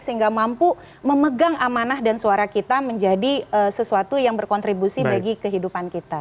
sehingga mampu memegang amanah dan suara kita menjadi sesuatu yang berkontribusi bagi kehidupan kita